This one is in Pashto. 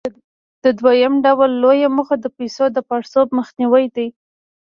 د دویم ډول لویه موخه د پیسو د پړسوب مخنیوى دی.